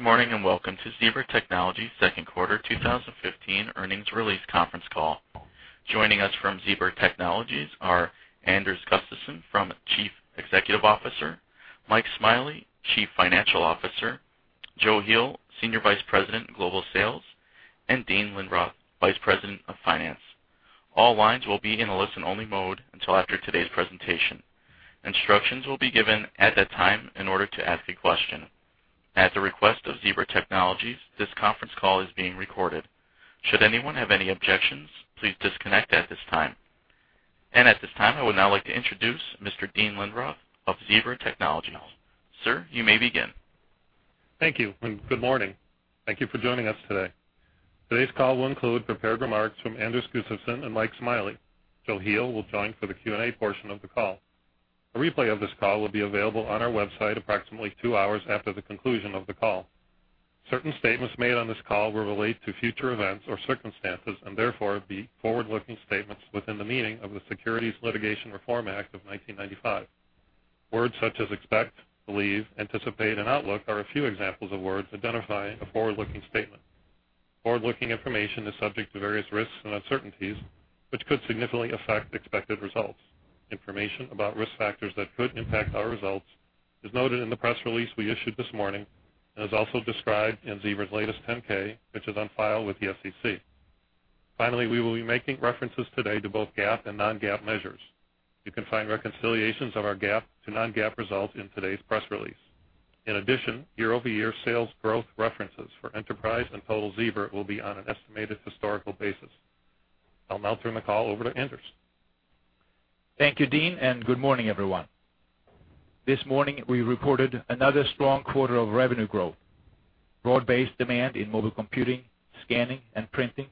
Good morning, welcome to Zebra Technologies' second quarter 2015 earnings release conference call. Joining us from Zebra Technologies are Anders Gustafsson, Chief Executive Officer, Michael Smiley, Chief Financial Officer, Joe Heel, Senior Vice President Global Sales, and Dean Lindroth, Vice President of Finance. All lines will be in a listen-only mode until after today's presentation. Instructions will be given at that time in order to ask a question. At the request of Zebra Technologies, this conference call is being recorded. Should anyone have any objections, please disconnect at this time. At this time, I would now like to introduce Mr. Dean Lindroth of Zebra Technologies. Sir, you may begin. Thank you, good morning. Thank you for joining us today. Today's call will include prepared remarks from Anders Gustafsson and Mike Smiley. Joe Heel will join for the Q&A portion of the call. A replay of this call will be available on our website approximately two hours after the conclusion of the call. Certain statements made on this call will relate to future events or circumstances, therefore, be forward-looking statements within the meaning of the Securities Litigation Reform Act of 1995. Words such as expect, believe, anticipate, and outlook are a few examples of words identifying a forward-looking statement. Forward-looking information is subject to various risks and uncertainties, which could significantly affect expected results. Information about risk factors that could impact our results is noted in the press release we issued this morning and is also described in Zebra's latest 10-K, which is on file with the SEC. Finally, we will be making references today to both GAAP and non-GAAP measures. You can find reconciliations of our GAAP to non-GAAP results in today's press release. In addition, year-over-year sales growth references for Enterprise and Total Zebra will be on an estimated historical basis. I'll now turn the call over to Anders. Thank you, Dean, good morning, everyone. This morning, we reported another strong quarter of revenue growth. Broad-based demand in mobile computing, scanning, and printing,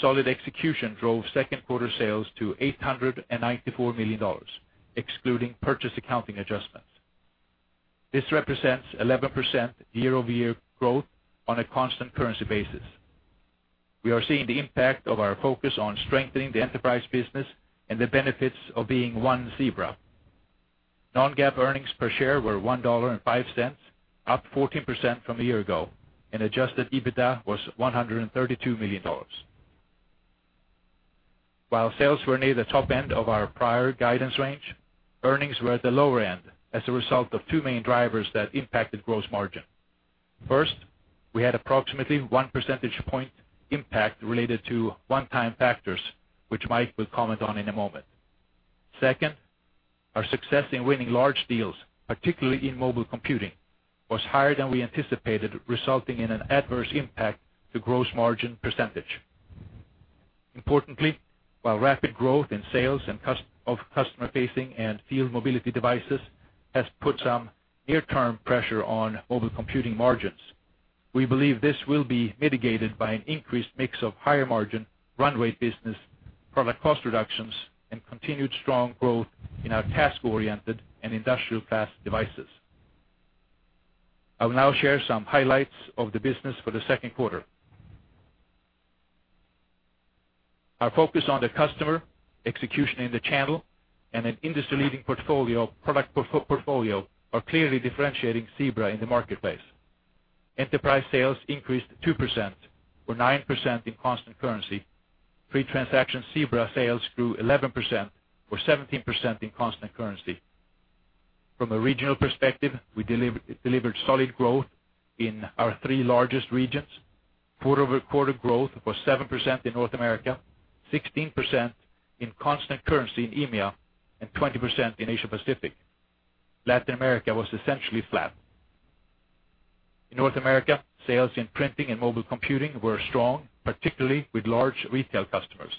solid execution drove second quarter sales to $894 million, excluding purchase accounting adjustments. This represents 11% year-over-year growth on a constant currency basis. We are seeing the impact of our focus on strengthening the enterprise business and the benefits of being One Zebra. Non-GAAP earnings per share were $1.05, up 14% from a year ago, and adjusted EBITDA was $132 million. While sales were near the top end of our prior guidance range, earnings were at the lower end as a result of two main drivers that impacted gross margin. First, we had approximately one percentage point impact related to one-time factors, which Mike will comment on in a moment. Our success in winning large deals, particularly in mobile computing, was higher than we anticipated, resulting in an adverse impact to gross margin %. Importantly, while rapid growth in sales of customer-facing and field mobility devices has put some near-term pressure on mobile computing margins, we believe this will be mitigated by an increased mix of higher margin runway business, product cost reductions, and continued strong growth in our task-oriented and industrial class devices. I will now share some highlights of the business for the second quarter. Our focus on the customer, execution in the channel, and an industry-leading product portfolio are clearly differentiating Zebra in the marketplace. Enterprise sales increased 2%, or 9% in constant currency. Free transaction Zebra sales grew 11%, or 17% in constant currency. From a regional perspective, we delivered solid growth in our three largest regions. Quarter-over-quarter growth was 7% in North America, 16% in constant currency in EMEA, and 20% in Asia Pacific. Latin America was essentially flat. In North America, sales in printing and mobile computing were strong, particularly with large retail customers.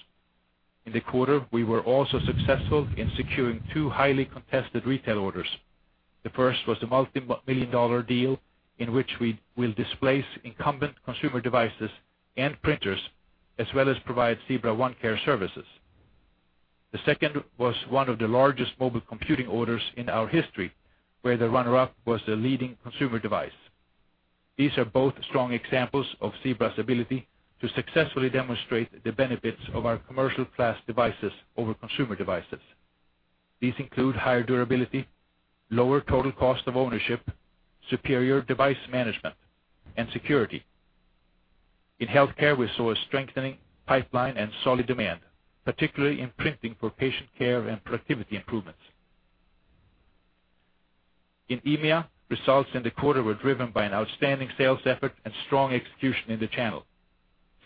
In the quarter, we were also successful in securing two highly contested retail orders. The first was a multi-million dollar deal in which we will displace incumbent consumer devices and printers, as well as provide Zebra OneCare services. The second was one of the largest mobile computing orders in our history, where the runner-up was the leading consumer device. These are both strong examples of Zebra's ability to successfully demonstrate the benefits of our commercial class devices over consumer devices. These include higher durability, lower total cost of ownership, superior device management, and security. In healthcare, we saw a strengthening pipeline and solid demand, particularly in printing for patient care and productivity improvements. In EMEA, results in the quarter were driven by an outstanding sales effort and strong execution in the channel.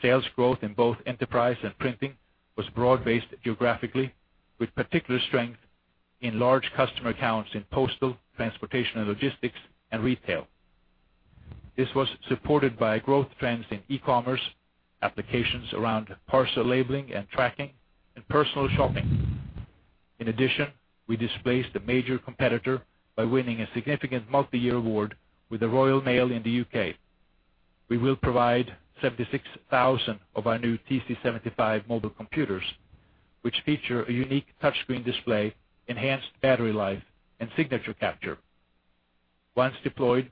Sales growth in both enterprise and printing was broad-based geographically, with particular strength in large customer accounts in postal, transportation, and logistics, and retail. This was supported by growth trends in e-commerce, applications around parcel labeling and tracking, and personal shopping. In addition, we displaced a major competitor by winning a significant multi-year award with the Royal Mail in the U.K. We will provide 76,000 of our new TC75 mobile computers, which feature a unique touchscreen display, enhanced battery life, and signature capture. Once deployed,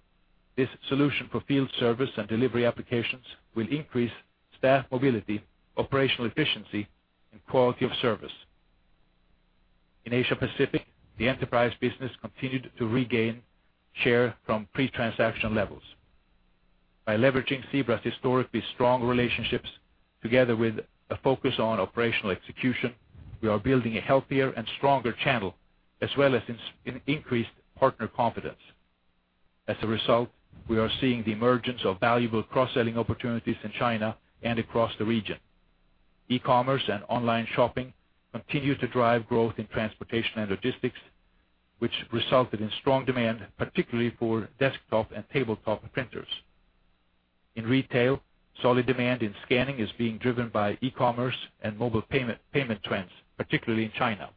this solution for field service and delivery applications will increase staff mobility, operational efficiency, and quality of service. In Asia Pacific, the enterprise business continued to regain share from pre-transaction levels. By leveraging Zebra's historically strong relationships together with a focus on operational execution, we are building a healthier and stronger channel, as well as an increased partner confidence. As a result, we are seeing the emergence of valuable cross-selling opportunities in China and across the region. E-commerce and online shopping continue to drive growth in transportation and logistics, which resulted in strong demand, particularly for desktop and tabletop printers. In retail, solid demand in scanning is being driven by e-commerce and mobile payment trends, particularly in China.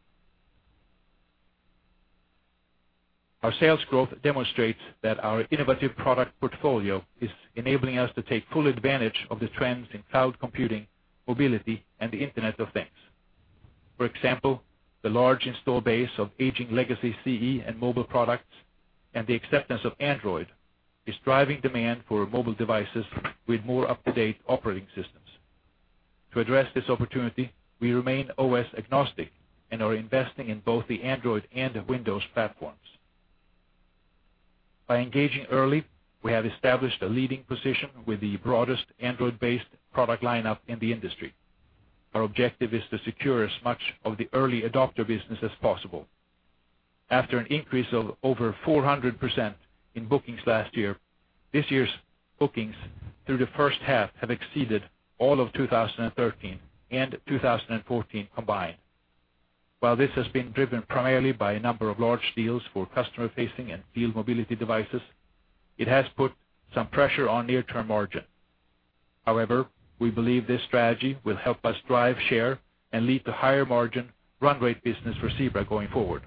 Our sales growth demonstrates that our innovative product portfolio is enabling us to take full advantage of the trends in cloud computing, mobility, and the Internet of Things. For example, the large install base of aging legacy CE and mobile products and the acceptance of Android is driving demand for mobile devices with more up-to-date operating systems. To address this opportunity, we remain OS agnostic and are investing in both the Android and Windows platforms. By engaging early, we have established a leading position with the broadest Android-based product lineup in the industry. Our objective is to secure as much of the early adopter business as possible. After an increase of over 400% in bookings last year, this year's bookings through the first half have exceeded all of 2013 and 2014 combined. While this has been driven primarily by a number of large deals for customer-facing and field mobility devices, it has put some pressure on near-term margin. We believe this strategy will help us drive share and lead to higher margin run rate business for Zebra going forward.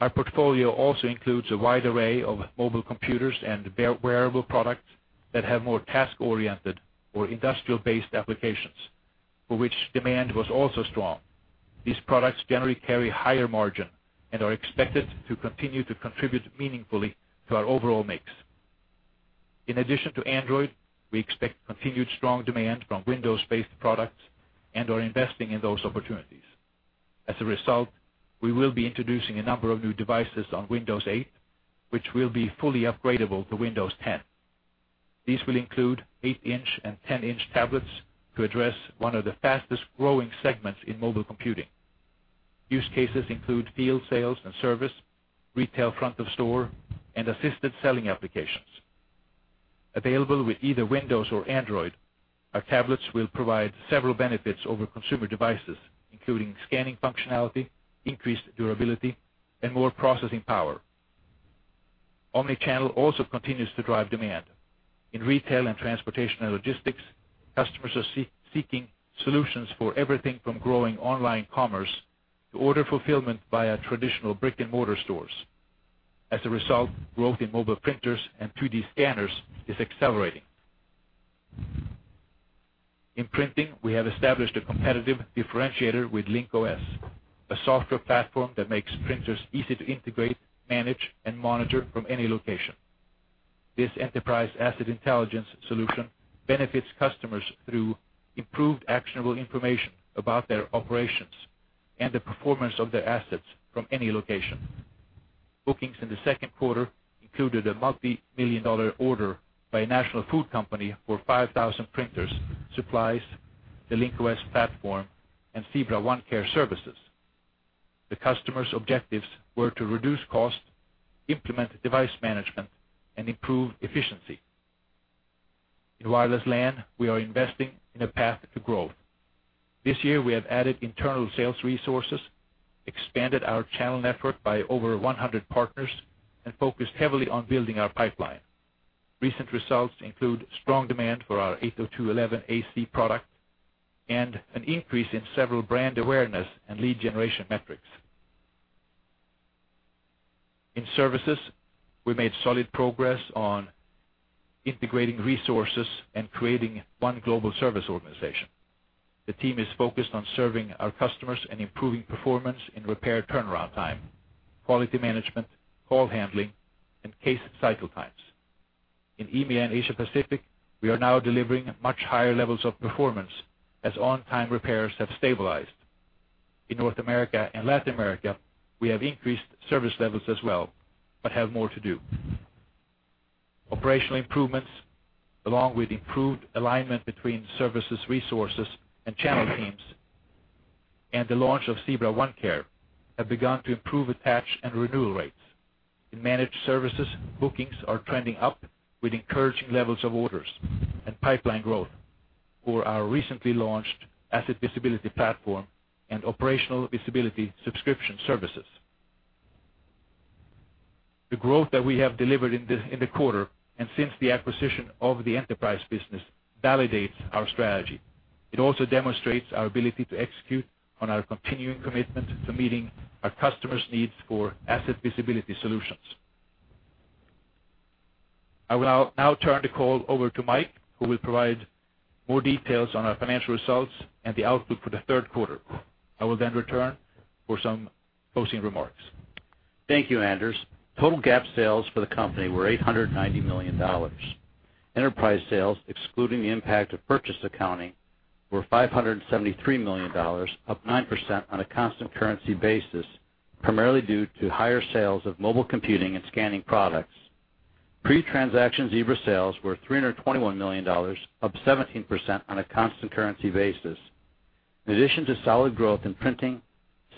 Our portfolio also includes a wide array of mobile computers and wearable products that have more task-oriented or industrial-based applications, for which demand was also strong. These products generally carry higher margin and are expected to continue to contribute meaningfully to our overall mix. In addition to Android, we expect continued strong demand from Windows-based products and are investing in those opportunities. As a result, we will be introducing a number of new devices on Windows 8, which will be fully upgradable to Windows 10. These will include 8-inch and 10-inch tablets to address one of the fastest-growing segments in mobile computing. Use cases include field sales and service, retail front of store, and assisted selling applications. Available with either Windows or Android, our tablets will provide several benefits over consumer devices, including scanning functionality, increased durability, and more processing power. Omnichannel also continues to drive demand. In retail and transportation and logistics, customers are seeking solutions for everything from growing online commerce to order fulfillment via traditional brick-and-mortar stores. As a result, growth in mobile printers and 3D scanners is accelerating. In printing, we have established a competitive differentiator with Link-OS, a software platform that makes printers easy to integrate, manage, and monitor from any location. This enterprise asset intelligence solution benefits customers through improved actionable information about their operations and the performance of their assets from any location. Bookings in the second quarter included a multimillion-dollar order by a national food company for 5,000 printers, supplies, the Link-OS platform, and Zebra OneCare services. The customer's objectives were to reduce cost, implement device management, and improve efficiency. In wireless LAN, we are investing in a path to growth. This year, we have added internal sales resources, expanded our channel network by over 100 partners, and focused heavily on building our pipeline. Recent results include strong demand for our 802.11ac product and an increase in several brand awareness and lead generation metrics. In services, we made solid progress on integrating resources and creating one global service organization. The team is focused on serving our customers and improving performance in repair turnaround time, quality management, call handling, and case cycle times. In EMEA and Asia Pacific, we are now delivering much higher levels of performance as on-time repairs have stabilized. In North America and Latin America, we have increased service levels as well, but have more to do. Operational improvements, along with improved alignment between services resources and channel teams and the launch of Zebra OneCare, have begun to improve attach and renewal rates. In managed services, bookings are trending up with encouraging levels of orders and pipeline growth for our recently launched asset visibility platform and operational visibility subscription services. The growth that we have delivered in the quarter and since the acquisition of the enterprise business validates our strategy. It also demonstrates our ability to execute on our continuing commitment to meeting our customers' needs for asset visibility solutions. I will now turn the call over to Mike, who will provide more details on our financial results and the outlook for the third quarter. I will then return for some closing remarks. Thank you, Anders. Total GAAP sales for the company were $890 million. Enterprise sales, excluding the impact of purchase accounting, were $573 million, up 9% on a constant currency basis, primarily due to higher sales of mobile computing and scanning products. Pre-transaction Zebra sales were $321 million, up 17% on a constant currency basis. In addition to solid growth in printing,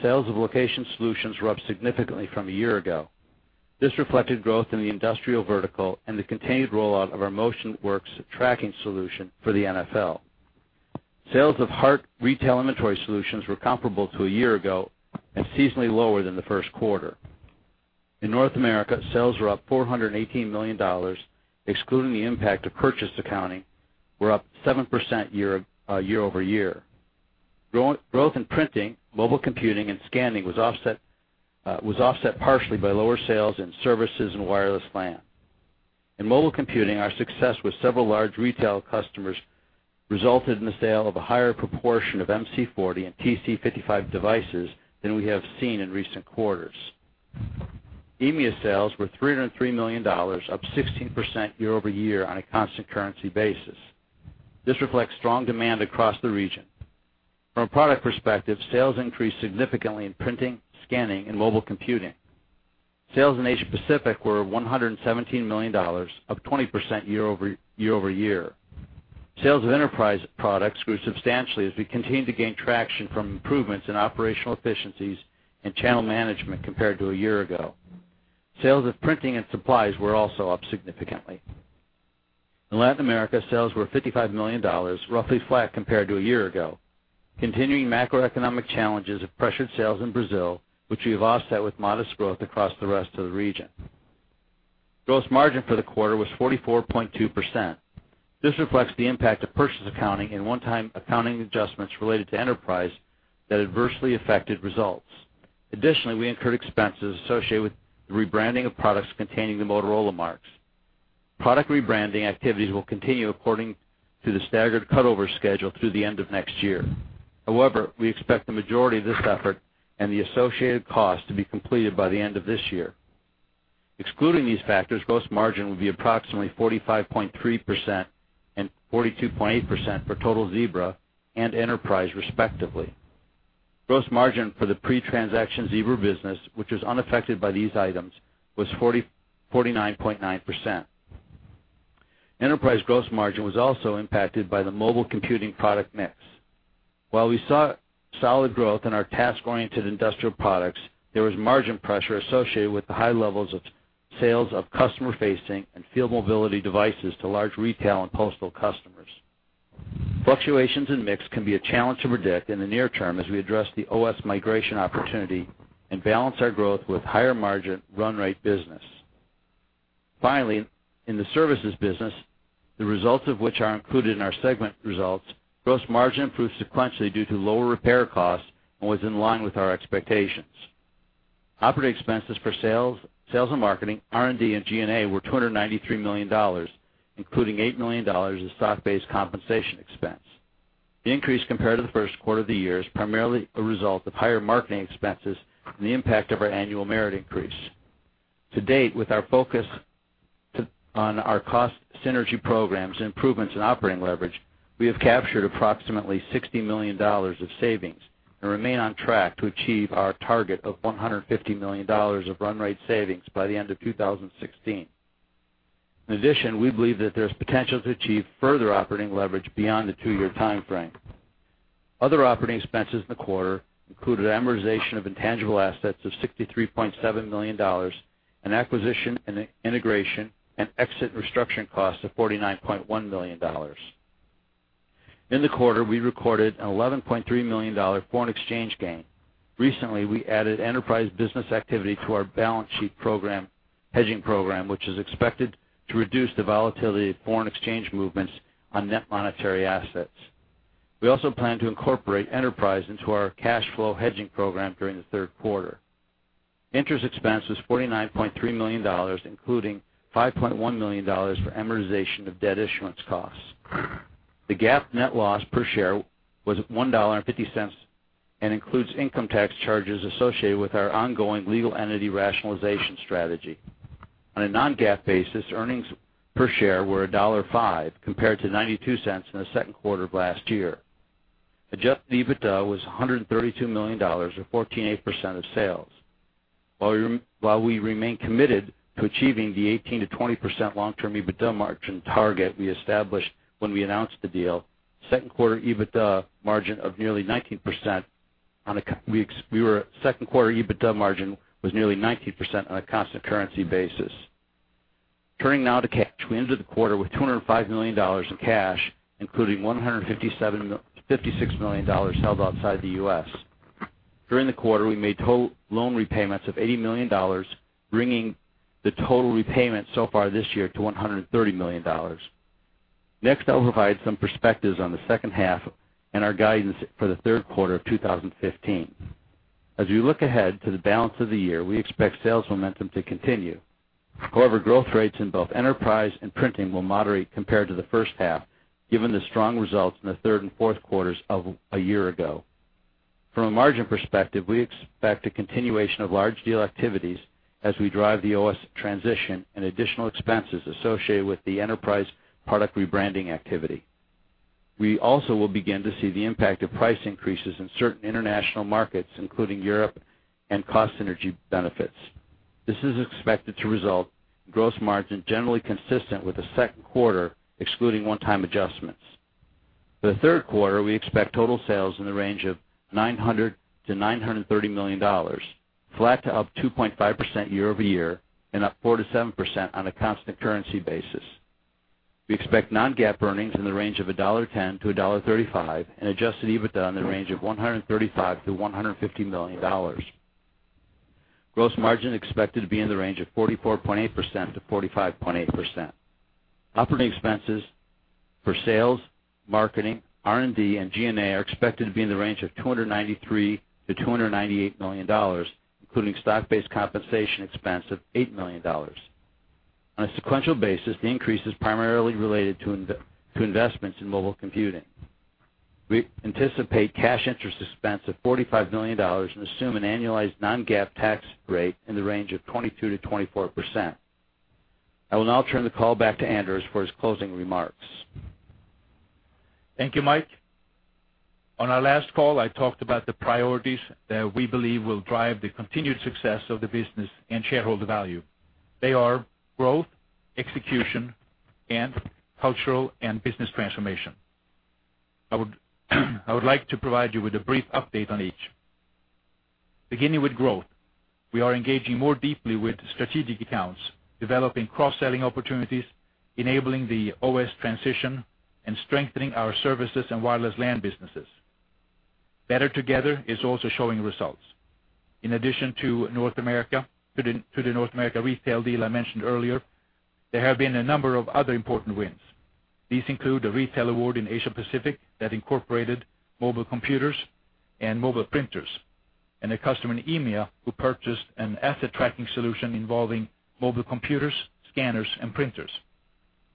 sales of location solutions were up significantly from a year ago. This reflected growth in the industrial vertical and the continued rollout of our MotionWorks tracking solution for the NFL. Sales of Hart retail inventory solutions were comparable to a year ago and seasonally lower than the first quarter. In North America, sales were $418 million, excluding the impact of purchase accounting, up 7% year-over-year. Growth in printing, mobile computing, and scanning was offset partially by lower sales in services and wireless LAN. In mobile computing, our success with several large retail customers resulted in the sale of a higher proportion of MC40 and TC55 devices than we have seen in recent quarters. EMEIA sales were $303 million, up 16% year-over-year on a constant currency basis. This reflects strong demand across the region. From a product perspective, sales increased significantly in printing, scanning, and mobile computing. Sales in Asia Pacific were $117 million, up 20% year-over-year. Sales of Enterprise products grew substantially as we continued to gain traction from improvements in operational efficiencies and channel management compared to a year ago. Sales of printing and supplies were also up significantly. In Latin America, sales were $55 million, roughly flat compared to a year ago. Continuing macroeconomic challenges have pressured sales in Brazil, which we have offset with modest growth across the rest of the region. Gross margin for the quarter was 44.2%. This reflects the impact of purchase accounting and one-time accounting adjustments related to Enterprise that adversely affected results. Additionally, we incurred expenses associated with the rebranding of products containing the Motorola marks. Product rebranding activities will continue according to the staggered cut-over schedule through the end of next year. However, we expect the majority of this effort and the associated cost to be completed by the end of this year. Excluding these factors, gross margin would be approximately 45.3% and 42.8% for total Zebra and Enterprise, respectively. Gross margin for the pre-transaction Zebra business, which was unaffected by these items, was 49.9%. Enterprise gross margin was also impacted by the mobile computing product mix. While we saw solid growth in our task-oriented industrial products, there was margin pressure associated with the high levels of sales of customer-facing and field mobility devices to large retail and postal customers. Fluctuations in mix can be a challenge to predict in the near term as we address the OS migration opportunity and balance our growth with higher margin run rate business. Finally, in the services business, the results of which are included in our segment results, gross margin improved sequentially due to lower repair costs and was in line with our expectations. Operating expenses for sales and marketing, R&D, and G&A were $293 million, including $8 million in stock-based compensation expense. The increase compared to the first quarter of the year is primarily a result of higher marketing expenses and the impact of our annual merit increase. To date, with our focus on our cost synergy programs and improvements in operating leverage, we have captured approximately $60 million of savings and remain on track to achieve our target of $150 million of run rate savings by the end of 2016. We believe that there's potential to achieve further operating leverage beyond the two-year timeframe. Other operating expenses in the quarter included amortization of intangible assets of $63.7 million, and acquisition and integration and exit restructuring costs of $49.1 million. In the quarter, we recorded an $11.3 million foreign exchange gain. Recently, we added Enterprise business activity to our balance sheet hedging program, which is expected to reduce the volatility of foreign exchange movements on net monetary assets. We also plan to incorporate Enterprise into our cash flow hedging program during the third quarter. Interest expense was $49.3 million, including $5.1 million for amortization of debt issuance costs. The GAAP net loss per share was $1.50, and includes income tax charges associated with our ongoing legal entity rationalization strategy. On a non-GAAP basis, earnings per share were $1.50, compared to $0.92 in the second quarter of last year. Adjusted EBITDA was $132 million, or 14.8% of sales. While we remain committed to achieving the 18%-20% long-term EBITDA margin target we established when we announced the deal, second quarter EBITDA margin was nearly 19% on a constant currency basis. Turning now to cash. We ended the quarter with $205 million in cash, including $156 million held outside the U.S. During the quarter, we made loan repayments of $80 million, bringing the total repayment so far this year to $130 million. I'll provide some perspectives on the second half and our guidance for the third quarter of 2015. As we look ahead to the balance of the year, we expect sales momentum to continue. Growth rates in both enterprise and printing will moderate compared to the first half, given the strong results in the third and fourth quarters of a year ago. From a margin perspective, we expect a continuation of large deal activities as we drive the OS transition and additional expenses associated with the enterprise product rebranding activity. We also will begin to see the impact of price increases in certain international markets, including Europe and cost synergy benefits. This is expected to result in gross margin generally consistent with the second quarter, excluding one-time adjustments. For the third quarter, we expect total sales in the range of $900 million-$930 million, flat to up 2.5% year-over-year, and up 4%-7% on a constant currency basis. We expect non-GAAP earnings in the range of $1.10-$1.35 and adjusted EBITDA in the range of $135 million-$150 million. Gross margin expected to be in the range of 44.8%-45.8%. Operating expenses for sales, marketing, R&D, and G&A are expected to be in the range of $293 million-$298 million, including stock-based compensation expense of $8 million. On a sequential basis, the increase is primarily related to investments in mobile computing. We anticipate cash interest expense of $45 million and assume an annualized non-GAAP tax rate in the range of 22%-24%. I will now turn the call back to Anders for his closing remarks. Thank you, Mike. On our last call, I talked about the priorities that we believe will drive the continued success of the business and shareholder value. They are growth, execution, and cultural and business transformation. I would like to provide you with a brief update on each. Beginning with growth, we are engaging more deeply with strategic accounts, developing cross-selling opportunities, enabling the OS transition, and strengthening our services and wireless LAN businesses. Better Together is also showing results. In addition to the North America retail deal I mentioned earlier, there have been a number of other important wins. These include a retail award in Asia Pacific that incorporated mobile computers and mobile printers, and a customer in EMEA who purchased an asset tracking solution involving mobile computers, scanners, and printers.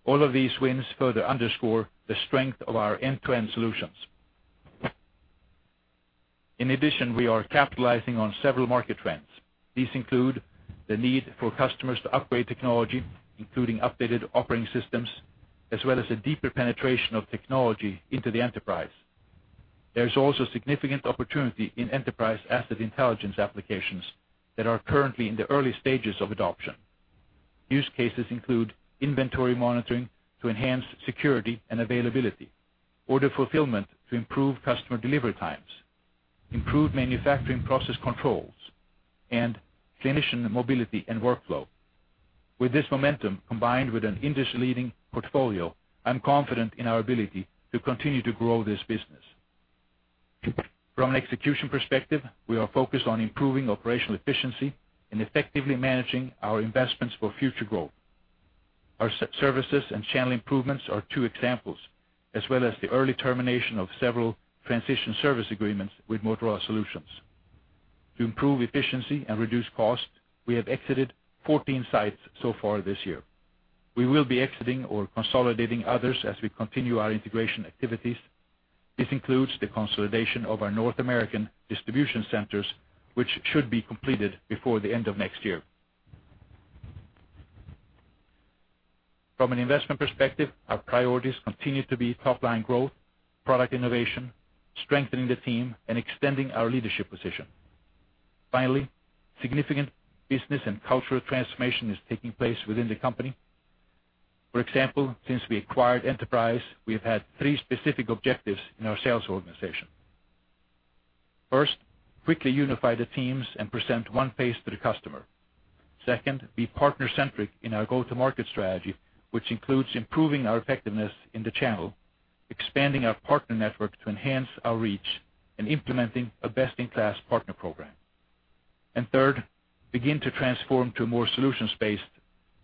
All of these wins further underscore the strength of our end-to-end solutions. We are capitalizing on several market trends. These include the need for customers to upgrade technology, including updated operating systems, as well as a deeper penetration of technology into the Enterprise. There is also significant opportunity in enterprise asset intelligence applications that are currently in the early stages of adoption. Use cases include inventory monitoring to enhance security and availability, order fulfillment to improve customer delivery times, improved manufacturing process controls, and clinician mobility and workflow. With this momentum, combined with an industry-leading portfolio, I'm confident in our ability to continue to grow this business. From an execution perspective, we are focused on improving operational efficiency and effectively managing our investments for future growth. Our services and channel improvements are two examples, as well as the early termination of several transition service agreements with Motorola Solutions. To improve efficiency and reduce costs, we have exited 14 sites so far this year. We will be exiting or consolidating others as we continue our integration activities. This includes the consolidation of our North American distribution centers, which should be completed before the end of next year. From an investment perspective, our priorities continue to be top-line growth, product innovation, strengthening the team, and extending our leadership position. Significant business and cultural transformation is taking place within the company. For example, since we acquired Enterprise, we have had three specific objectives in our sales organization. First, quickly unify the teams and present one face to the customer. Second, be partner-centric in our go-to-market strategy, which includes improving our effectiveness in the channel, expanding our partner network to enhance our reach, and implementing a best-in-class partner program. Third, begin to transform to a more solutions-based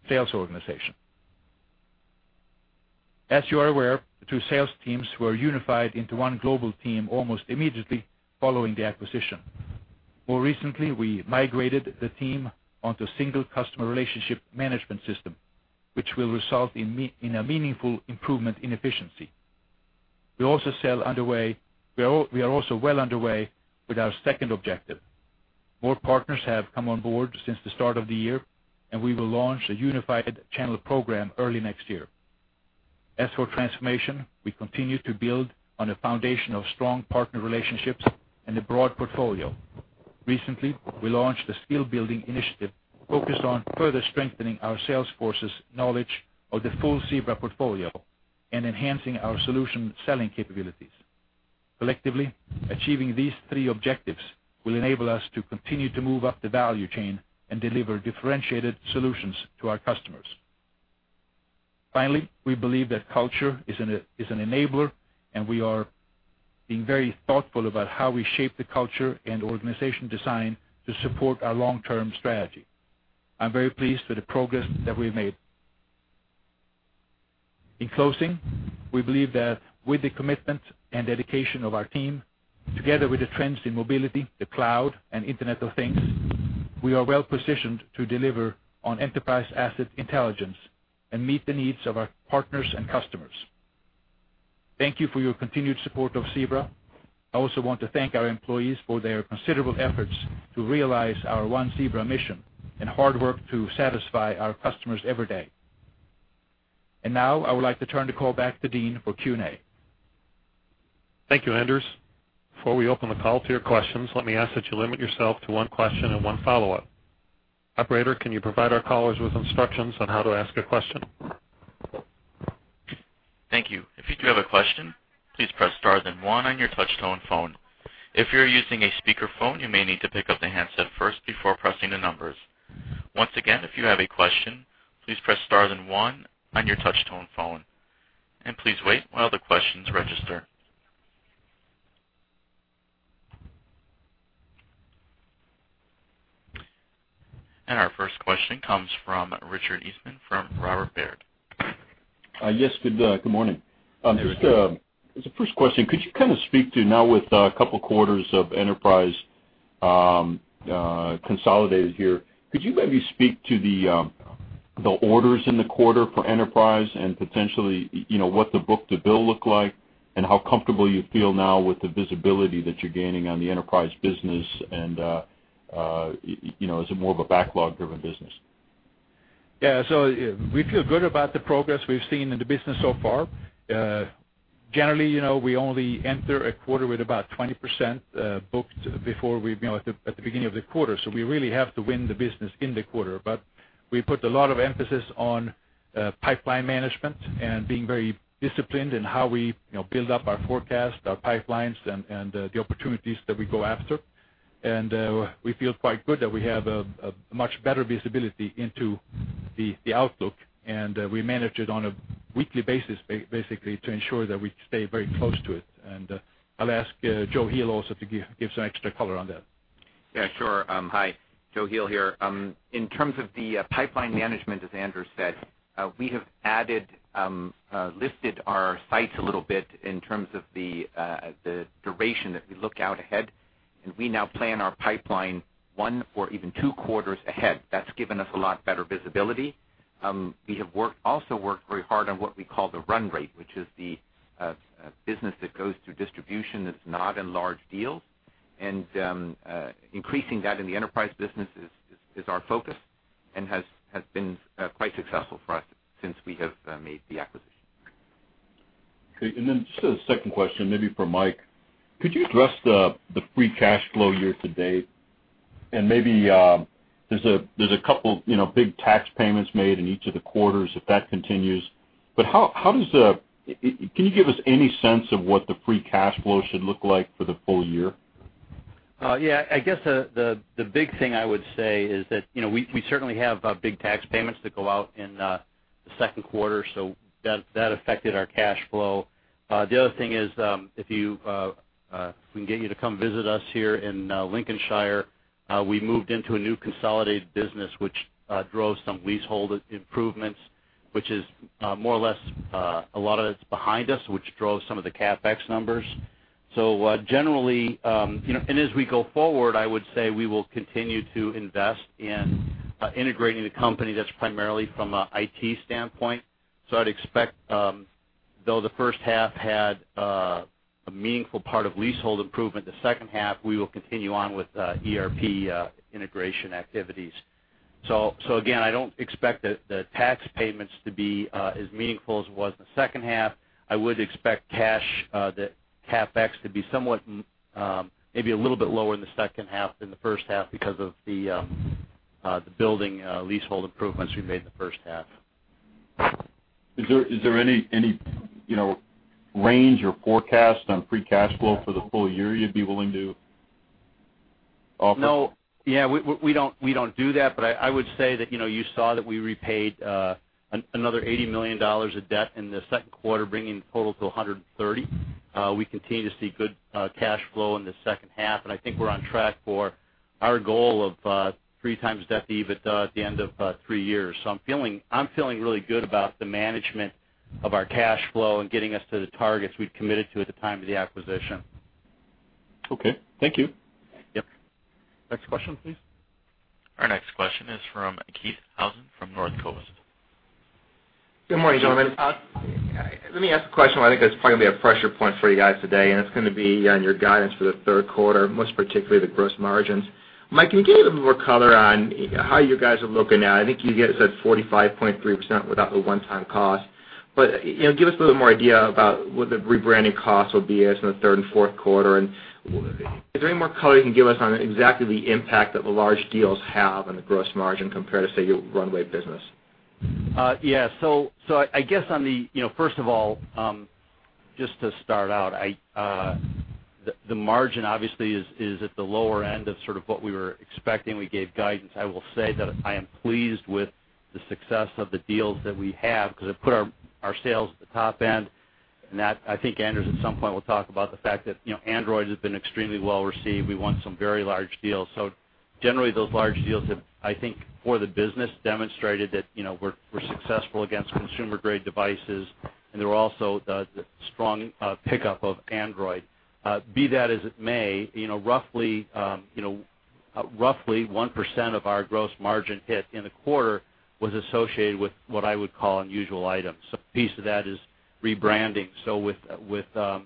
sales organization. As you are aware, the two sales teams were unified into one global team almost immediately following the acquisition. More recently, we migrated the team onto a single customer relationship management system, which will result in a meaningful improvement in efficiency. We are also well underway with our second objective. More partners have come on board since the start of the year, and we will launch a unified channel program early next year. As for transformation, we continue to build on a foundation of strong partner relationships and a broad portfolio. Recently, we launched a skill-building initiative focused on further strengthening our sales force's knowledge of the full Zebra portfolio and enhancing our solution selling capabilities. Collectively, achieving these three objectives will enable us to continue to move up the value chain and deliver differentiated solutions to our customers. Finally, we believe that culture is an enabler, and we are being very thoughtful about how we shape the culture and organization design to support our long-term strategy. I'm very pleased with the progress that we've made. In closing, we believe that with the commitment and dedication of our team, together with the trends in mobility, the cloud and Internet of Things, we are well positioned to deliver on enterprise asset intelligence and meet the needs of our partners and customers. Thank you for your continued support of Zebra. I also want to thank our employees for their considerable efforts to realize our One Zebra mission and hard work to satisfy our customers every day. Now I would like to turn the call back to Dean for Q&A. Thank you, Anders. Before we open the call to your questions, let me ask that you limit yourself to one question and one follow-up. Operator, can you provide our callers with instructions on how to ask a question? Thank you. If you do have a question, please press star then one on your touch-tone phone. If you're using a speakerphone, you may need to pick up the handset first before pressing the numbers. Once again, if you have a question, please press star then one on your touch-tone phone, and please wait while the questions register. Our first question comes from Richard Eastman from Robert Baird. Yes. Good morning. Good morning. As a first question, could you kind of speak to now with a couple quarters of Enterprise consolidated here, could you maybe speak to the orders in the quarter for Enterprise and potentially, what the book to bill look like and how comfortable you feel now with the visibility that you're gaining on the Enterprise business and is it more of a backlog driven business? Yeah. We feel good about the progress we've seen in the business so far. Generally, we only enter a quarter with about 20% booked at the beginning of the quarter. We really have to win the business in the quarter. We put a lot of emphasis on pipeline management and being very disciplined in how we build up our forecast, our pipelines, and the opportunities that we go after. We feel quite good that we have a much better visibility into the outlook, and we manage it on a weekly basis basically to ensure that we stay very close to it. I'll ask Joe Heel also to give some extra color on that. Yeah, sure. Hi, Joe Heel here. In terms of the pipeline management, as Anders said, we have lifted our sights a little bit in terms of the duration that we look out ahead, and we now plan our pipeline one or even two quarters ahead. That's given us a lot better visibility. We have also worked very hard on what we call the run rate, which is the business that goes through distribution that's not in large deals. Increasing that in the enterprise business is our focus and has been quite successful for us since we have made the acquisition. Okay, just a second question maybe for Mike. Could you address the free cash flow year to date? Maybe, there's a couple big tax payments made in each of the quarters if that continues. Can you give us any sense of what the free cash flow should look like for the full year? Yeah, I guess the big thing I would say is that we certainly have big tax payments that go out in the second quarter, so that affected our cash flow. The other thing is, if we can get you to come visit us here in Lincolnshire, we moved into a new consolidated business which drove some leasehold improvements, which is more or less a lot of it's behind us, which drove some of the CapEx numbers. As we go forward, I would say we will continue to invest in integrating the company that's primarily from a IT standpoint. I'd expect, though the first half had a meaningful part of leasehold improvement, the second half we will continue on with ERP integration activities. Again, I don't expect the tax payments to be as meaningful as it was in the second half. I would expect cash, the CapEx to be somewhat, maybe a little bit lower in the second half than the first half because of the building leasehold improvements we made in the first half. Is there any range or forecast on free cash flow for the full year you'd be willing to offer? No. Yeah, we don't do that, but I would say that you saw that we repaid another $80 million of debt in the second quarter, bringing the total to 130. We continue to see good cash flow in the second half, and I think we're on track for our goal of 3x debt EBITDA at the end of three years. I'm feeling really good about the management of our cash flow and getting us to the targets we'd committed to at the time of the acquisition. Okay. Thank you. Yep. Next question, please. Our next question is from Keith Housum from Northcoast Research. Good morning, gentlemen. Let me ask a question where I think there's probably going to be a pressure point for you guys today. It's going to be on your guidance for the third quarter, most particularly the gross margins. Mike, can you give a little bit more color on how you guys are looking at it? I think you guys said 45.3% without the one-time cost, give us a little more idea about what the rebranding costs will be as in the third and fourth quarter, and is there any more color you can give us on exactly the impact that the large deals have on the gross margin compared to, say, your runway business? I guess, first of all, just to start out, the margin obviously is at the lower end of sort of what we were expecting. We gave guidance. I will say that I am pleased with the success of the deals that we have because it put our sales at the top end. That, I think Anders at some point will talk about the fact that Android has been extremely well-received. We won some very large deals. Generally, those large deals have, I think, for the business, demonstrated that we're successful against consumer-grade devices, and there were also the strong pickup of Android. Be that as it may, roughly 1% of our gross margin hit in the quarter was associated with what I would call unusual items. A piece of that is rebranding. With the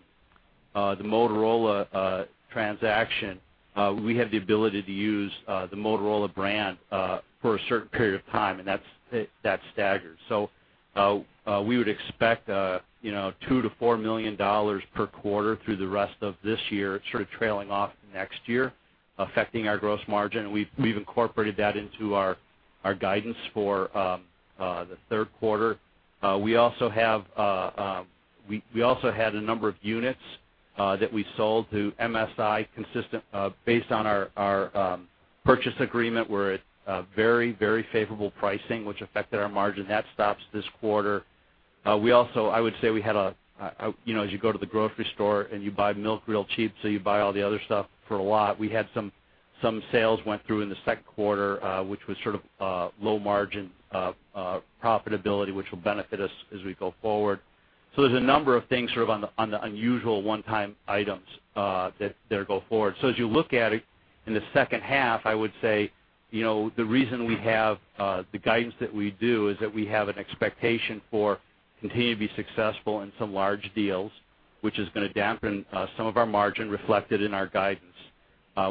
Motorola transaction, we have the ability to use the Motorola brand for a certain period of time, and that's staggered. We would expect $2 million to $4 million per quarter through the rest of this year, sort of trailing off next year, affecting our gross margin. We've incorporated that into our guidance for the third quarter. We also had a number of units that we sold through MSI based on our purchase agreement. We're at very favorable pricing, which affected our margin. That stops this quarter. I would say, as you go to the grocery store and you buy milk real cheap, so you buy all the other stuff for a lot, we had some sales went through in the second quarter, which was sort of low margin profitability, which will benefit us as we go forward. There's a number of things sort of on the unusual one-time items that go forward. As you look at it in the second half, I would say, the reason we have the guidance that we do is that we have an expectation for continuing to be successful in some large deals, which is going to dampen some of our margin reflected in our guidance.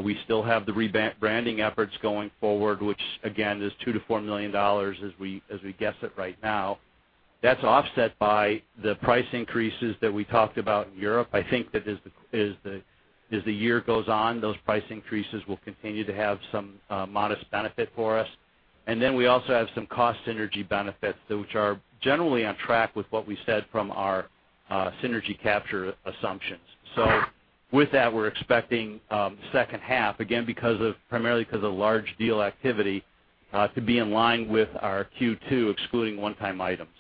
We still have the rebranding efforts going forward, which again, is $2 million to $4 million as we guess it right now. That's offset by the price increases that we talked about in Europe. I think that as the year goes on, those price increases will continue to have some modest benefit for us. We also have some cost synergy benefits, which are generally on track with what we said from our synergy capture assumptions. With that, we're expecting the second half, again, primarily because of large deal activity, to be in line with our Q2 excluding one-time items.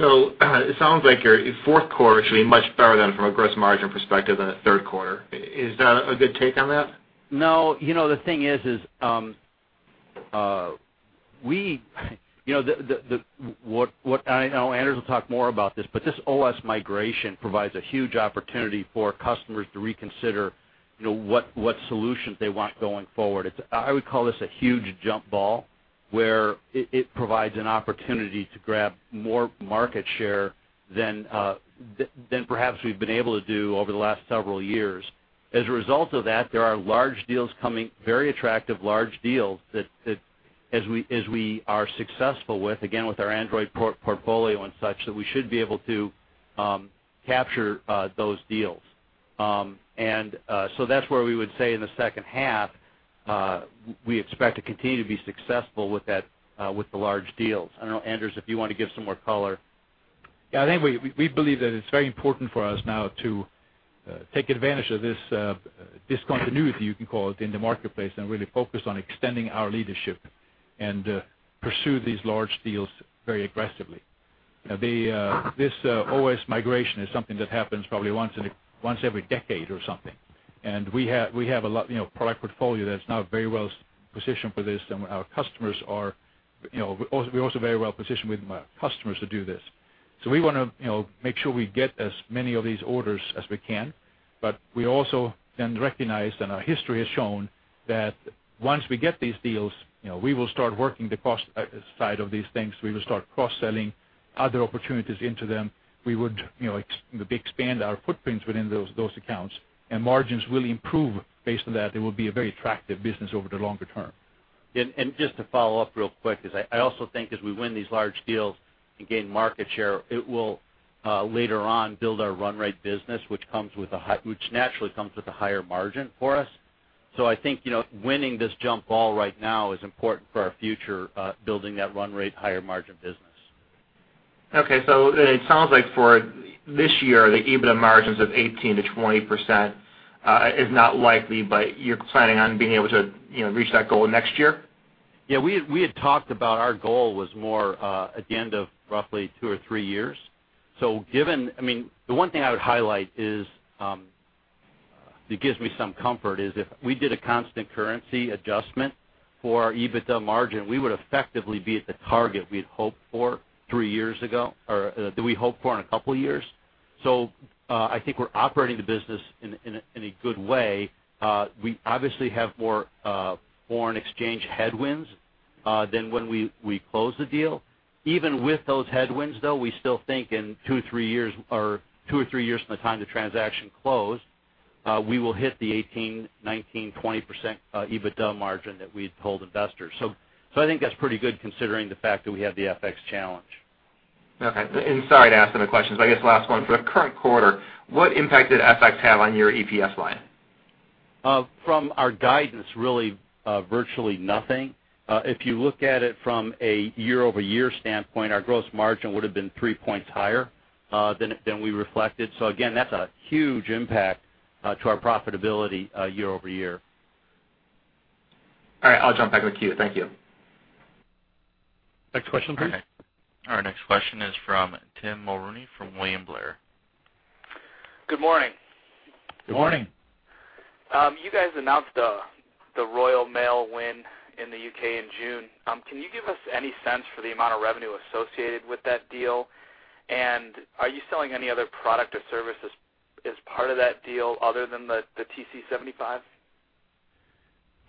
It sounds like your fourth quarter should be much better from a gross margin perspective than the third quarter. Is that a good take on that? No. I know Anders will talk more about this, but this OS migration provides a huge opportunity for customers to reconsider what solutions they want going forward. I would call this a huge jump ball where it provides an opportunity to grab more market share than perhaps we've been able to do over the last several years. As a result of that, there are large deals coming, very attractive large deals, that as we are successful with, again, with our Android portfolio and such, that we should be able to capture those deals. That's where we would say in the second half, we expect to continue to be successful with the large deals. I don't know, Anders, if you want to give some more color. I think we believe that it's very important for us now to take advantage of this discontinuity, you can call it, in the marketplace and really focus on extending our leadership and pursue these large deals very aggressively. This OS migration is something that happens probably once every decade or something, and we have a lot product portfolio that's now very well positioned for this, and we're also very well positioned with customers to do this. We want to make sure we get as many of these orders as we can, but we also then recognize, and our history has shown that once we get these deals, we will start working the cost side of these things. We will start cross-selling other opportunities into them. We would expand our footprints within those accounts, and margins really improve based on that. It will be a very attractive business over the longer term. Just to follow up real quick, because I also think as we win these large deals and gain market share, it will later on build our run rate business, which naturally comes with a higher margin for us. I think, winning this jump ball right now is important for our future, building that run rate higher margin business. Okay. It sounds like for this year, the EBITDA margins of 18%-20% is not likely, but you're planning on being able to reach that goal next year? Yeah, we had talked about our goal was more at the end of roughly two or three years. The one thing I would highlight that gives me some comfort is if we did a constant currency adjustment for our EBITDA margin, we would effectively be at the target we had hoped for in a couple of years. I think we're operating the business in a good way. We obviously have more foreign exchange headwinds than when we closed the deal. Even with those headwinds, though, we still think in two or three years from the time the transaction closed, we will hit the 18%, 19%, 20% EBITDA margin that we had told investors. I think that's pretty good considering the fact that we have the FX challenge. Okay. Sorry to ask so many questions, but I guess the last one. For the current quarter, what impact did FX have on your EPS line? From our guidance, really, virtually nothing. If you look at it from a year-over-year standpoint, our gross margin would have been three points higher than we reflected. Again, that's a huge impact to our profitability year-over-year. All right, I'll jump back in the queue. Thank you. Next question, please. Okay. Our next question is from Tim Mulrooney from William Blair. Good morning. Good morning. You guys announced the Royal Mail win in the U.K. in June. Can you give us any sense for the amount of revenue associated with that deal? Are you selling any other product or service as part of that deal other than the TC75?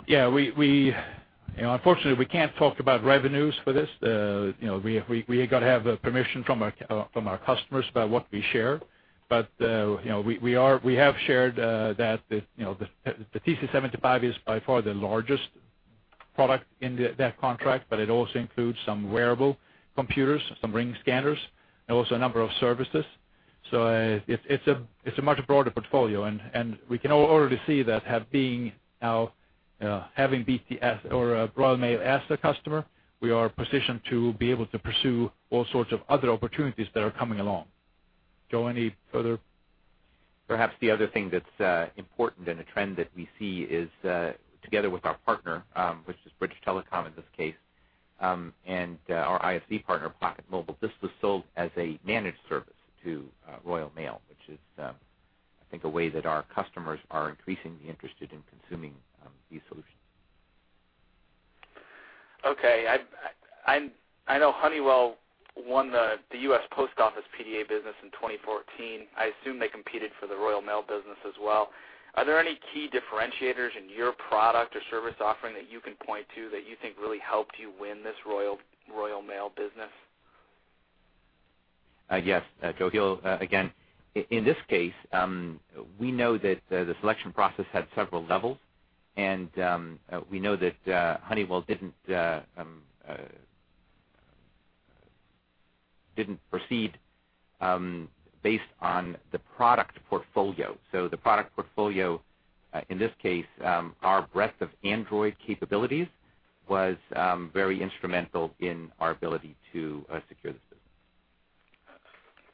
Yeah. Unfortunately, we can't talk about revenues for this. We got to have permission from our customers about what we share. We have shared that the TC75 is by far the largest product in that contract, but it also includes some wearable computers, some ring scanners, and also a number of services. It's a much broader portfolio, and we can already see that having BT or Royal Mail as the customer, we are positioned to be able to pursue all sorts of other opportunities that are coming along. Joe, any further? Perhaps the other thing that's important and a trend that we see is, together with our partner, which is BT Group in this case, and our ISV partner, PocketMobile, this was sold as a managed service to Royal Mail, which is, I think a way that our customers are increasingly interested in consuming these solutions. Okay. I know Honeywell won the U.S. Post Office PDA business in 2014. I assume they competed for the Royal Mail business as well. Are there any key differentiators in your product or service offering that you can point to that you think really helped you win this Royal Mail business? Yes, Joe. Again, in this case, we know that the selection process had several levels, and we know that Honeywell didn't proceed based on the product portfolio. The product portfolio, in this case, our breadth of Android capabilities was very instrumental in our ability to secure this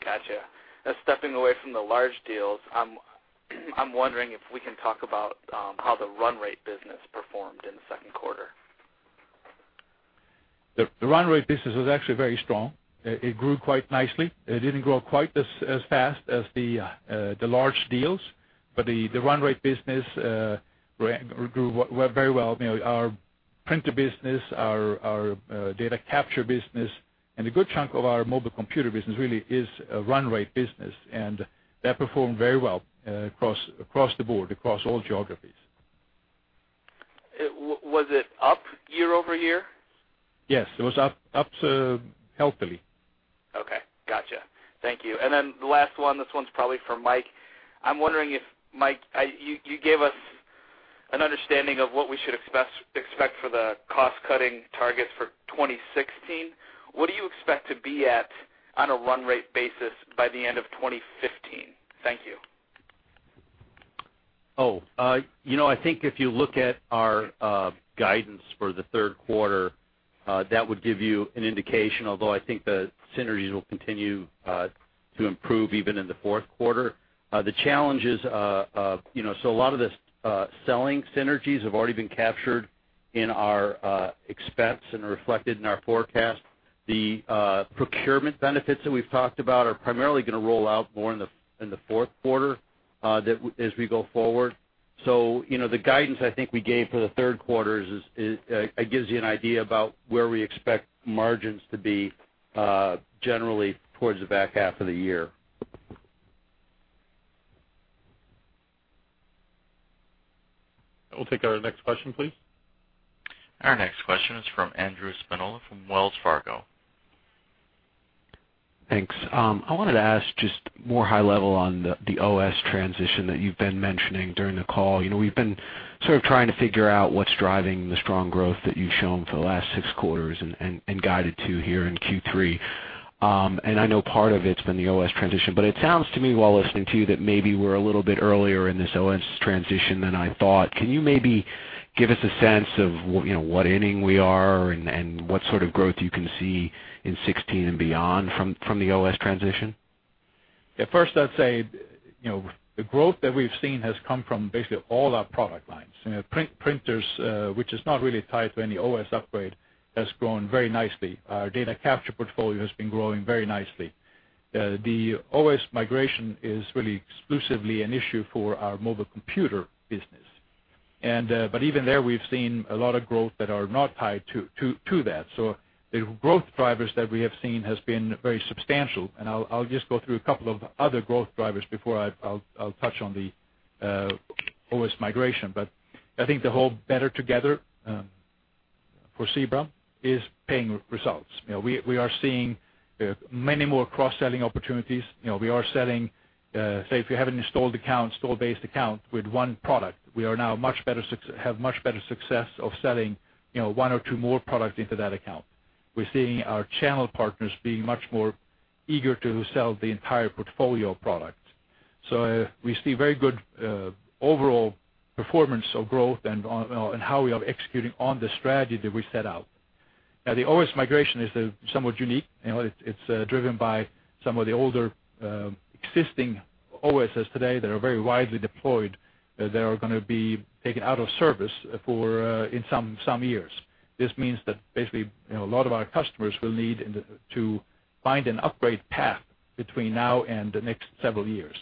business. Got you. Stepping away from the large deals, I'm wondering if we can talk about how the run rate business performed in the second quarter. The run rate business was actually very strong. It grew quite nicely. It didn't grow quite as fast as the large deals, but the run rate business grew very well. Our printer business, our data capture business, and a good chunk of our mobile computer business really is a run rate business, and that performed very well across the board, across all geographies. Was it up year-over-year? Yes. It was up healthily. Okay. Got you. Thank you. Then the last one, this one's probably for Mike. I'm wondering if, Mike, you gave us an understanding of what we should expect for the cost-cutting targets for 2016. What do you expect to be at on a run rate basis by the end of 2015? Thank you. I think if you look at our guidance for the third quarter, that would give you an indication, although I think the synergies will continue to improve even in the fourth quarter. The challenges, a lot of the selling synergies have already been captured in our expense and are reflected in our forecast. The procurement benefits that we've talked about are primarily going to roll out more in the fourth quarter as we go forward. The guidance I think we gave for the third quarter, it gives you an idea about where we expect margins to be, generally towards the back half of the year. We'll take our next question, please. Our next question is from Andrew Spinola from Wells Fargo. Thanks. I wanted to ask just more high level on the OS transition that you've been mentioning during the call. We've been sort of trying to figure out what's driving the strong growth that you've shown for the last six quarters and guided to here in Q3. I know part of it's been the OS transition, it sounds to me, while listening to you, that maybe we're a little bit earlier in this OS transition than I thought. Can you maybe give us a sense of what inning we are and what sort of growth you can see in 2016 and beyond from the OS transition? Yeah. First, I'd say, the growth that we've seen has come from basically all our product lines. Printers, which is not really tied to any OS upgrade, has grown very nicely. Our data capture portfolio has been growing very nicely. The OS migration is really exclusively an issue for our mobile computer business. Even there, we've seen a lot of growth that are not tied to that. The growth drivers that we have seen has been very substantial, I'll just go through a couple of other growth drivers before I'll touch on the OS migration. I think the whole better together for Zebra is paying results. We are seeing many more cross-selling opportunities. We are selling, say if you have an installed account, store-based account with one product, we now have much better success of selling one or two more products into that account. We're seeing our channel partners being much more eager to sell the entire portfolio of products. We see very good overall performance of growth and how we are executing on the strategy that we set out. Now, the OS migration is somewhat unique. It's driven by some of the older existing OSs today that are very widely deployed, that are going to be taken out of service in some years. This means that basically, a lot of our customers will need to find an upgrade path between now and the next several years.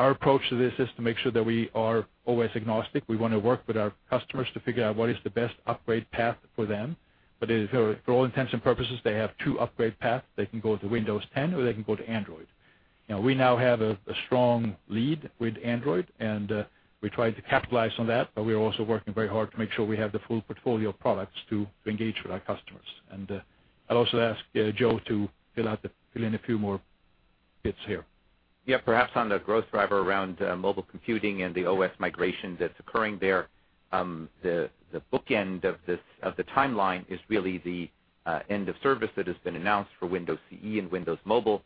Our approach to this is to make sure that we are always agnostic. We want to work with our customers to figure out what is the best upgrade path for them. For all intents and purposes, they have two upgrade paths. They can go to Windows 10, or they can go to Android. We now have a strong lead with Android, and we try to capitalize on that, but we are also working very hard to make sure we have the full portfolio of products to engage with our customers. I'll also ask Joe to fill in a few more bits here. Yeah, perhaps on the growth driver around mobile computing and the OS migration that's occurring there, the bookend of the timeline is really the end of service that has been announced for Windows CE and Windows Mobile,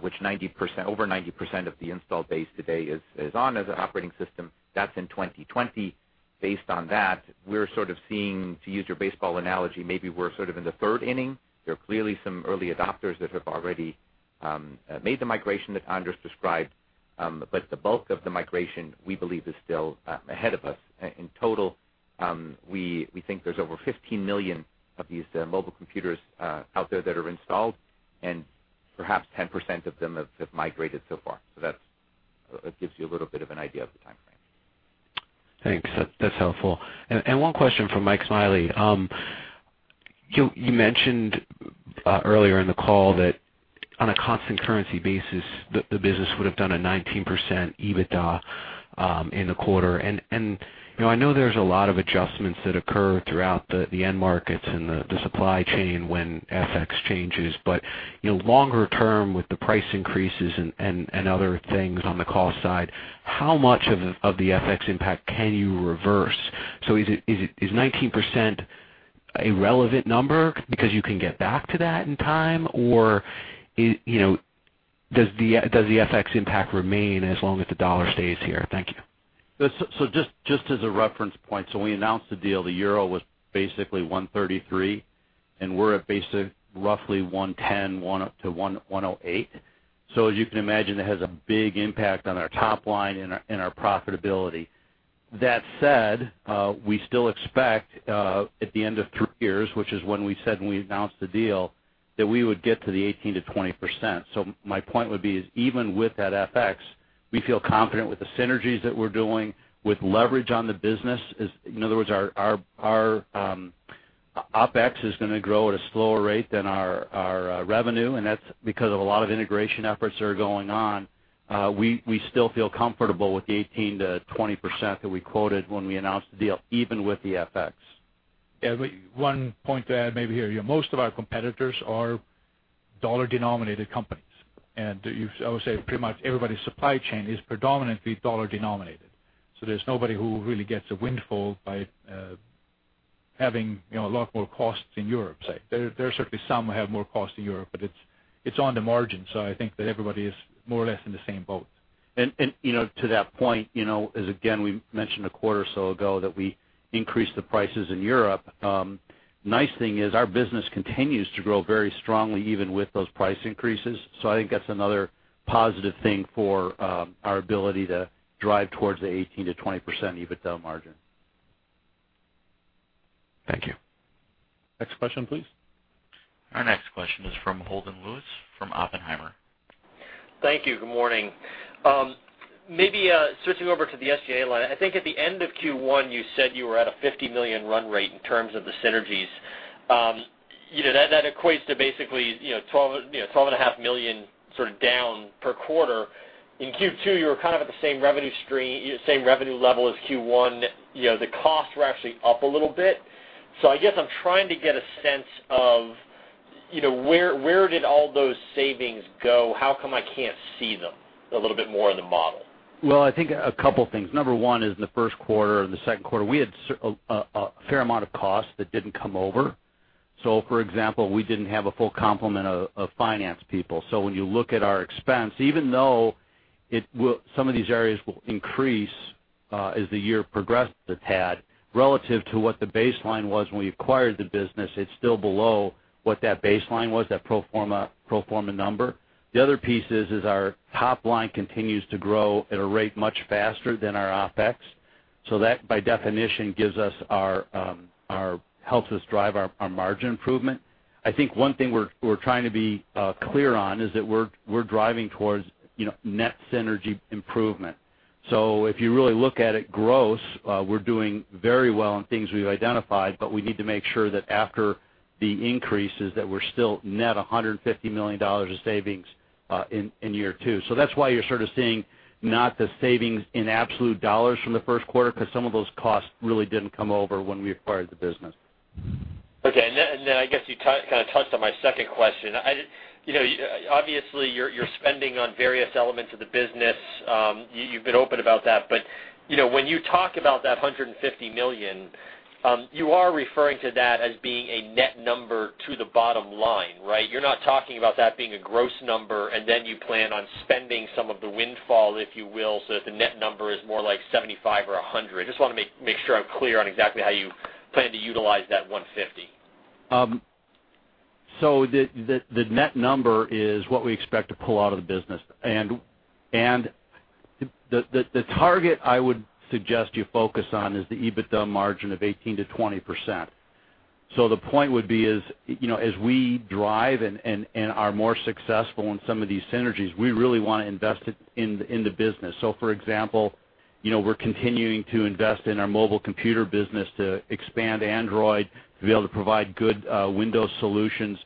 which over 90% of the install base today is on as an operating system. That's in 2020. Based on that, we're sort of seeing, to use your baseball analogy, maybe we're sort of in the third inning. There are clearly some early adopters that have already made the migration that Anders described. The bulk of the migration, we believe, is still ahead of us. In total, we think there's over 15 million of these mobile computers out there that are installed, and perhaps 10% of them have migrated so far. That gives you a little bit of an idea of the timeframe. Thanks. That's helpful. One question from Michael Smiley. You mentioned earlier in the call that on a constant currency basis, the business would have done a 19% EBITDA in the quarter. I know there's a lot of adjustments that occur throughout the end markets and the supply chain when FX changes, but longer term with the price increases and other things on the cost side, how much of the FX impact can you reverse? Is 19% a relevant number because you can get back to that in time? Or does the FX impact remain as long as the dollar stays here? Thank you. Just as a reference point, so when we announced the deal, the euro was basically $1.33, and we're at roughly $1.10, $1.00-$1.08. As you can imagine, it has a big impact on our top line and our profitability. That said, we still expect, at the end of three years, which is when we said when we announced the deal, that we would get to the 18%-20%. My point would be is even with that FX, we feel confident with the synergies that we're doing, with leverage on the business. In other words, our OpEx is going to grow at a slower rate than our revenue, and that's because of a lot of integration efforts that are going on. We still feel comfortable with the 18%-20% that we quoted when we announced the deal, even with the FX. Yeah. One point to add maybe here. Most of our competitors are dollar-denominated companies, and I would say pretty much everybody's supply chain is predominantly dollar-denominated. There's nobody who really gets a windfall by having a lot more costs in Europe, say. There are certainly some who have more costs in Europe, but it's on the margin. I think that everybody is more or less in the same boat. To that point, as again, we mentioned a quarter or so ago that we increased the prices in Europe, nice thing is our business continues to grow very strongly even with those price increases. I think that's another positive thing for our ability to drive towards the 18%-20% EBITDA margin. Thank you. Next question, please. Our next question is from Holden Lewis from Oppenheimer. Thank you. Good morning. Maybe switching over to the SG&A line, I think at the end of Q1, you said you were at a $50 million run rate in terms of the synergies. That equates to basically $12.5 million sort of down per quarter. In Q2, you were kind of at the same revenue level as Q1. The costs were actually up a little bit. I guess I'm trying to get a sense of where did all those savings go? How come I can't see them a little bit more in the model? Well, I think a couple things. Number 1 is in the first quarter and the second quarter, we had a fair amount of costs that didn't come over. For example, we didn't have a full complement of finance people. When you look at our expense, even though some of these areas will increase as the year progresses a tad, relative to what the baseline was when we acquired the business, it's still below what that baseline was, that pro forma number. The other piece is our top line continues to grow at a rate much faster than our OpEx. That, by definition, helps us drive our margin improvement. I think one thing we're trying to be clear on is that we're driving towards net synergy improvement. If you really look at it gross, we're doing very well on things we've identified, but we need to make sure that after the increases, that we're still net $150 million of savings in year two. That's why you're sort of seeing not the savings in absolute dollars from the first quarter, because some of those costs really didn't come over when we acquired the business. Okay, I guess you kind of touched on my second question. Obviously, you're spending on various elements of the business. You've been open about that. When you talk about that $150 million, you are referring to that as being a net number to the bottom line, right? You're not talking about that being a gross number, you plan on spending some of the windfall, if you will, so that the net number is more like $75 or $100. Just want to make sure I'm clear on exactly how you plan to utilize that $150. The net number is what we expect to pull out of the business. The target I would suggest you focus on is the EBITDA margin of 18%-20%. The point would be is, as we drive and are more successful in some of these synergies, we really want to invest it in the business. For example, we're continuing to invest in our mobile computer business to expand Android, to be able to provide good Windows solutions.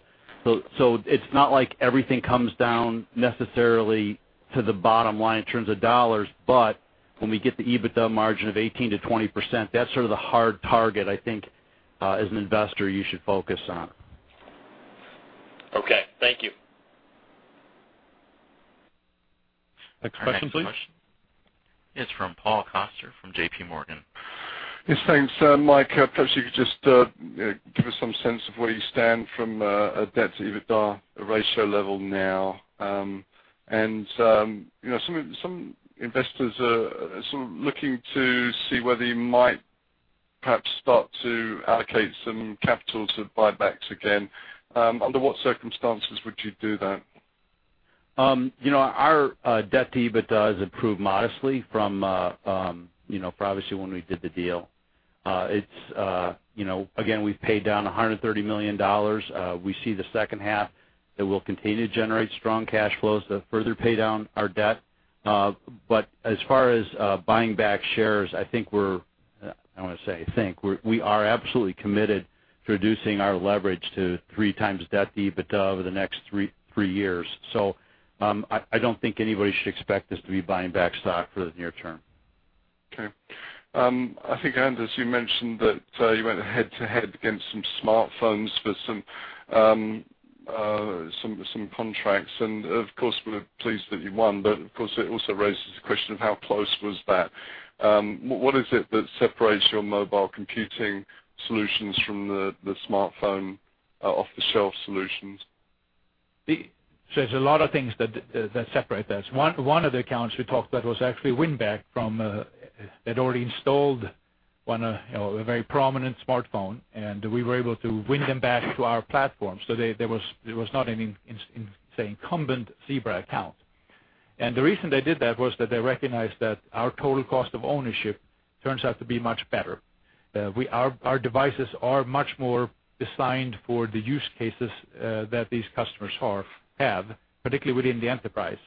It's not like everything comes down necessarily to the bottom line in terms of dollars, but when we get the EBITDA margin of 18%-20%, that's sort of the hard target, I think, as an investor, you should focus on. Okay. Thank you. Next question, please. Our next question is from Paul Coster from JP Morgan. Yes, thanks, Mike. Perhaps you could just give us some sense of where you stand from a debt-to-EBITDA ratio level now. Some investors are sort of looking to see whether you might perhaps start to allocate some capital to buybacks again. Under what circumstances would you do that? Our debt to EBITDA has improved modestly from obviously when we did the deal. Again, we've paid down $130 million. We see the second half that we'll continue to generate strong cash flows to further pay down our debt. As far as buying back shares, I don't want to say I think. We are absolutely committed to reducing our leverage to three times debt to EBITDA over the next three years. I don't think anybody should expect us to be buying back stock for the near term. Okay. I think, Anders, you mentioned that you went head-to-head against some smartphones for some contracts. Of course, we're pleased that you won, of course, it also raises the question of how close was that? What is it that separates your mobile computing solutions from the smartphone off-the-shelf solutions? There's a lot of things that separate this. One of the accounts we talked about was actually win-back from. They'd already installed one, a very prominent smartphone, and we were able to win them back to our platform. There was not any, say, incumbent Zebra account. The reason they did that was that they recognized that our total cost of ownership turns out to be much better. Our devices are much more designed for the use cases that these customers have, particularly within the enterprise.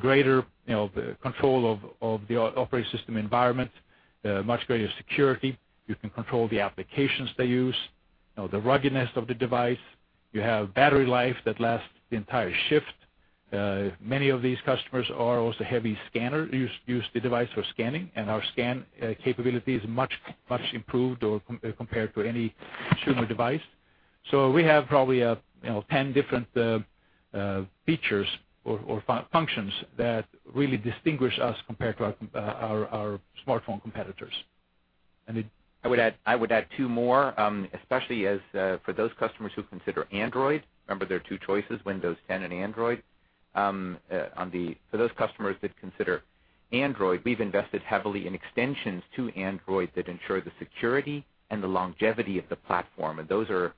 Greater control of the operating system environment, much greater security. You can control the applications they use, the ruggedness of the device. You have battery life that lasts the entire shift. Many of these customers are also heavy scanner, use the device for scanning, and our scan capability is much improved compared to any consumer device. We have probably 10 different features or functions that really distinguish us compared to our smartphone competitors. I would add two more, especially as for those customers who consider Android, remember there are two choices, Windows 10 and Android. For those customers that consider Android, we've invested heavily in extensions to Android that ensure the security and the longevity of the platform. Those are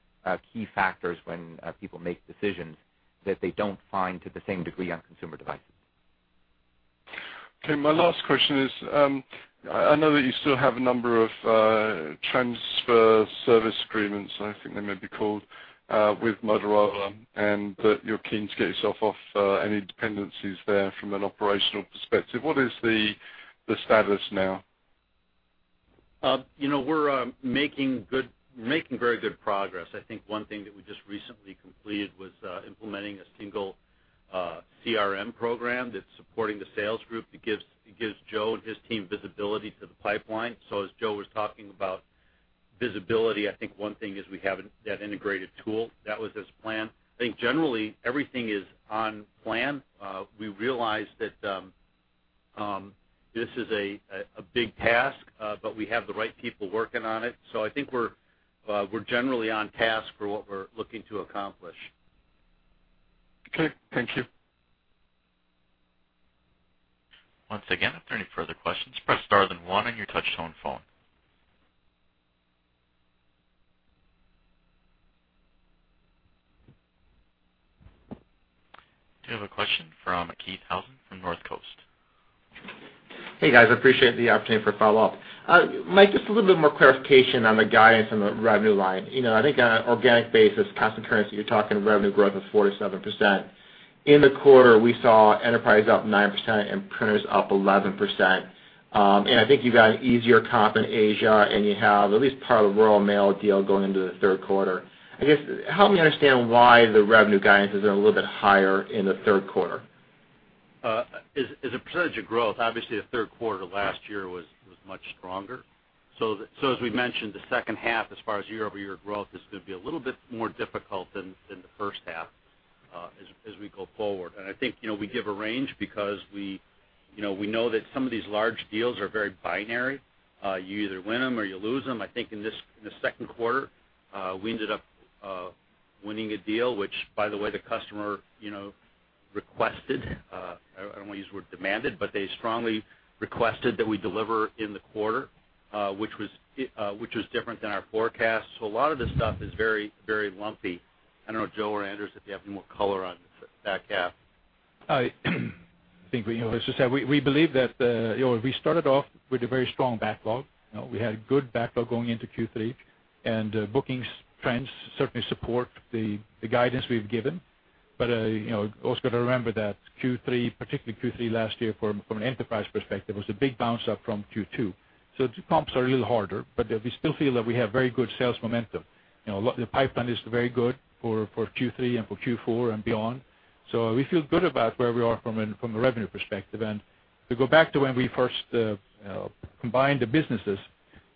key factors when people make decisions that they don't find to the same degree on consumer devices. Okay. My last question is, I know that you still have a number of transfer service agreements, I think they may be called, with Motorola, and that you're keen to get yourself off any dependencies there from an operational perspective. What is the status now? We're making very good progress. I think one thing that we just recently completed was implementing a single CRM program that's supporting the sales group, that gives Joe and his team visibility to the pipeline. As Joe was talking about visibility, I think one thing is we have that integrated tool. That was as planned. I think generally everything is on plan. We realize that this is a big task, but we have the right people working on it. I think we're generally on task for what we're looking to accomplish. Okay. Thank you. Once again, if there are any further questions, press star then 1 on your touchtone phone. We have a question from Keith Housum from Northcoast Research. Hey, guys. I appreciate the opportunity for follow-up. Mike, just a little bit more clarification on the guidance on the revenue line. I think on an organic basis, constant currency, you're talking revenue growth of 47%. In the quarter, we saw enterprise up 9% and printers up 11%. I think you got an easier comp in Asia, and you have at least part of the Royal Mail deal going into the third quarter. I guess, help me understand why the revenue guidance is a little bit higher in the third quarter. As a percentage of growth, obviously, the third quarter last year was much stronger. As we mentioned, the second half as far as year-over-year growth is going to be a little bit more difficult than the first half as we go forward. I think we give a range because we know that some of these large deals are very binary. You either win them or you lose them. I think in the second quarter, we ended up winning a deal, which by the way, the customer requested, I don't want to use the word demanded, but they strongly requested that we deliver in the quarter, which was different than our forecast. A lot of this stuff is very lumpy. I don't know, Joe or Anders, if you have any more color on the back half. I think as we said, we believe that we started off with a very strong backlog. We had a good backlog going into Q3, bookings trends certainly support the guidance we've given. Also got to remember that Q3, particularly Q3 last year from an enterprise perspective, was a big bounce up from Q2. Comps are a little harder, but we still feel that we have very good sales momentum. The pipeline is very good for Q3 and for Q4 and beyond. We feel good about where we are from a revenue perspective. To go back to when we first combined the businesses,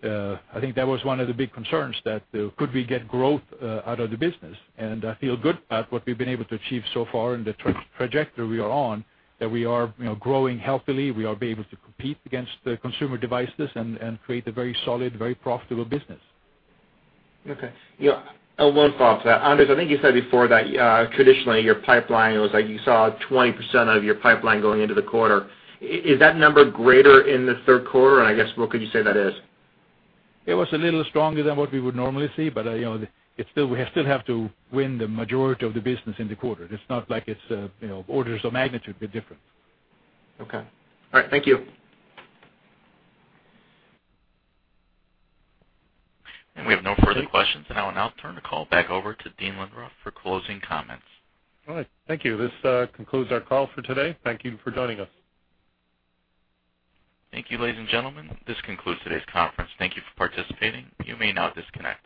I think that was one of the big concerns that could we get growth out of the business? I feel good about what we've been able to achieve so far and the trajectory we are on, that we are growing healthily. We are able to compete against the consumer devices and create a very solid, very profitable business. Okay. One follow-up to that. Anders, I think you said before that traditionally your pipeline was like you saw 20% of your pipeline going into the quarter. Is that number greater in the third quarter? I guess, what could you say that is? It was a little stronger than what we would normally see. We still have to win the majority of the business in the quarter. It's not like it's orders of magnitude different. Okay. All right. Thank you. We have no further questions. I will now turn the call back over to Dean Lindroth for closing comments. All right. Thank you. This concludes our call for today. Thank you for joining us. Thank you, ladies and gentlemen. This concludes today's conference. Thank you for participating. You may now disconnect.